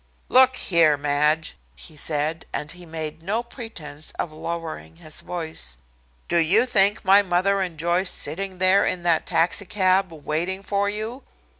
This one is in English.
"Look here, Madge," he said, and he made no pretense of lowering his voice, "do you think my mother enjoys sitting there in that taxicab waiting for you?